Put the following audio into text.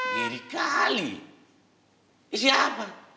jadi kali siapa